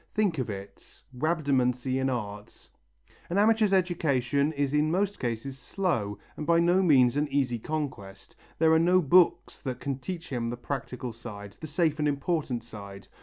Think of it, rhabdomancy in art! An amateur's education is in most cases slow and by no means an easy conquest. There are no books that can teach him the practical side, the safe and important side.